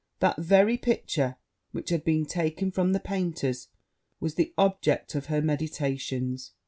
that very picture, which had been taken from the painter's, was the object of her meditations!